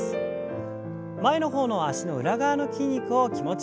前の方の脚の裏側の筋肉を気持ちよく伸ばしてください。